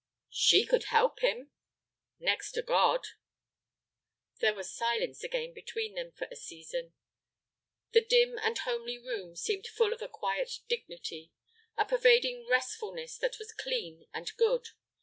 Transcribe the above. "She could help him." "Next to God." There was silence again between them for a season. The dim and homely room seemed full of a quiet dignity, a pervading restfulness that was clean and good.